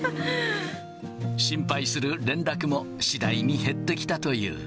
心配する連絡も次第に減ってきたという。